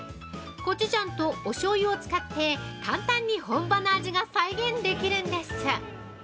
コチュジャンとおしょうゆを使って簡単に本場の味が再現できるんです。